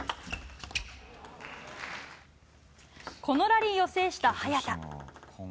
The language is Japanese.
このラリーを制した早田。